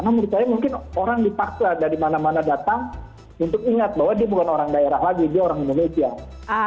karena menurut saya mungkin orang dipaksa dari mana mana datang untuk ingat bahwa dia bukan orang daerah lagi dia orang indonesia